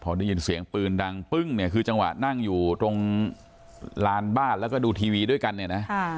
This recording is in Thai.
พอได้ยินเสียงปืนดังปึ้งเนี่ยคือจังหวะนั่งอยู่ตรงลานบ้านแล้วก็ดูทีวีด้วยกันเนี่ยนะ